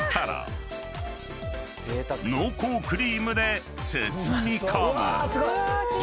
［濃厚クリームで包み込む］